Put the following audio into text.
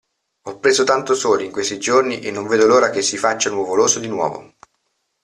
Ho preso tanto sole in questi giorni e non vedo l'ora che si faccia nuvoloso di nuovo!